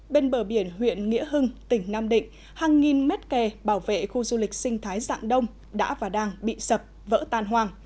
bên bờ biển huyện nghĩa hưng tỉnh nam định hàng nghìn mét kè bảo vệ khu du lịch sinh thái dạng đông đã và đang bị sập vỡ tan hoàng